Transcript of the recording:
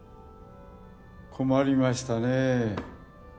困りましたねえ。